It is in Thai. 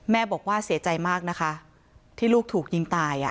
บอกว่าเสียใจมากนะคะที่ลูกถูกยิงตาย